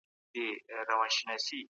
علمي پلټني د خلګو د پوهاوي کچه خورا لوړوي.